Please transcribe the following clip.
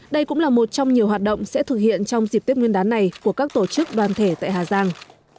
đây cũng là một trong nhiều hoạt động sẽ thực hiện trong dịp tết nguyên đán này của các tổ chức đoàn thể tại hà giang